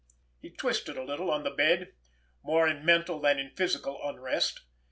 He twisted a little on the bed—more in mental than in physical unrest.